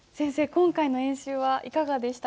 今回の演習はいかがでしたか？